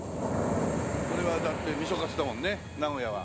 これはだって味噌カツだもんね名古屋は。